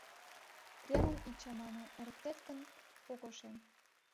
Кремым ит чамане, эрыктет гын, ок ошем.